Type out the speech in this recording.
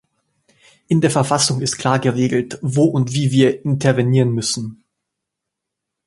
In der Verfassung ist klar geregelt, wo und wie wir intervenieren müssen.